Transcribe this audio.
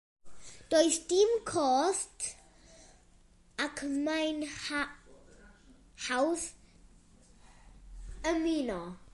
Does dim cost, ac mae'n hawdd ymuno